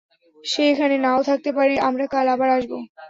সে এখানে নাও থাকতে পারে, আমরা কাল আবার আসব।